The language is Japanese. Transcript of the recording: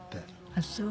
ああそう。